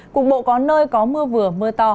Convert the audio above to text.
cục bộ có nơi có mưa vừa mưa to